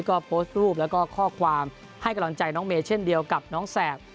ก็โพสต์รูปแล้วก็ข้อความให้กำลังใจน้องเมย์เช่นเดียวกับน้องแสบ